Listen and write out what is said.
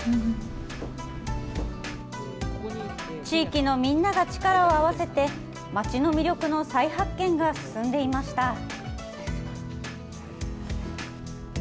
地域のみんなが力を合わせて、町の魅力の再発見が進んでいました。